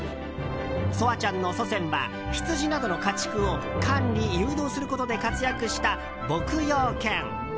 ソアちゃんの祖先はヒツジなどの家畜を管理・誘導することで活躍した牧羊犬。